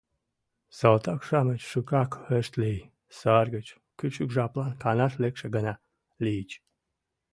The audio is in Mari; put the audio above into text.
Салтак-шамыч шукак ышт лий: сар гыч кӱчык жаплан канаш лекше гына лийыч.